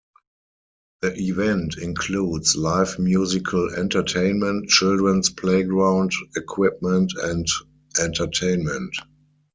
The event includes live musical entertainment, children's playground equipment and entertainment.